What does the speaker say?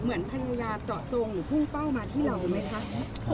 เหมือนภรรยาเจาะจงหรือพุ่งเป้ามาที่เราไหมคะ